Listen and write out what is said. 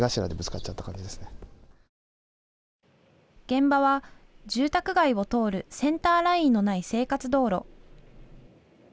現場は住宅街を通るセンターラインのない生活道路。